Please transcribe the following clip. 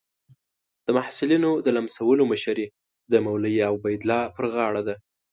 د محصلینو د لمسولو مشري د مولوي عبیدالله پر غاړه ده.